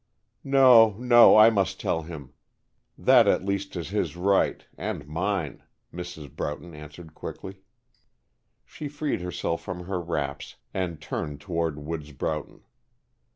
"No, no, I must tell him. That at least is his right and mine," Mrs. Broughton answered quickly. She freed herself from her wraps, and turned toward Woods Broughton.